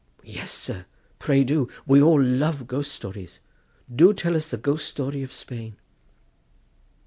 "Yes, sir, pray do; we all love ghost stories. Do tell us the ghost story of Spain."